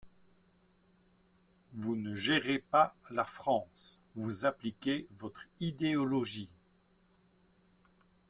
Vous ne gérez pas la France, vous appliquez votre idéologie.